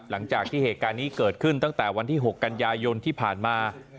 หลังจากที่เหตุการณ์นี้เกิดขึ้นตั้งแต่วันที่๖กันยายนที่ผ่านมา